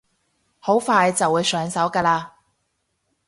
好快就會上手㗎喇